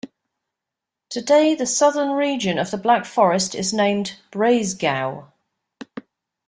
Today the southern region of the Black Forest is named Breisgau.